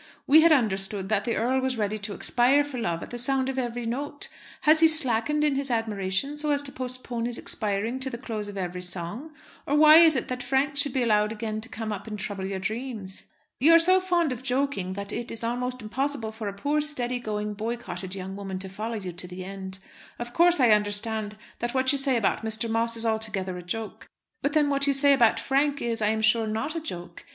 We had understood that the earl was ready to expire for love at the sound of every note. Has he slackened in his admiration so as to postpone his expiring to the close of every song? Or why is it that Frank should be allowed again to come up and trouble your dreams? You are so fond of joking that it is almost impossible for a poor steady going, boycotted young woman to follow you to the end. Of course I understand that what you say about Mr. Moss is altogether a joke. But then what you say about Frank is, I am sure, not a joke.